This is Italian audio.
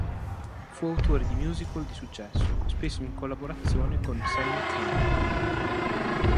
Fu autore di musical di successo, spesso in collaborazione con Sammy Cahn.